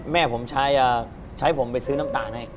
แม่ผมใช้ผมไปซื้อน้ำตาลให้